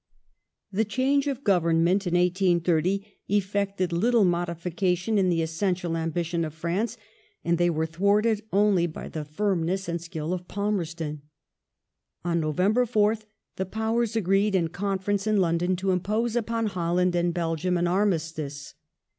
^ The change of Government in 1830 effected little modification in the essential ambitions of France, and they were thwarted only by the firmness and skill of Palmerston, On November 4th the Powers agreed, in conference in London, to impose upon Holland and Belgium an armistice.